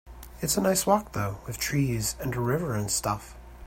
It's a nice walk though, with trees and a river and stuff.